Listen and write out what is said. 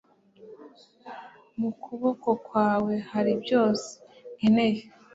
mukuboko kwawe hari byose nkenera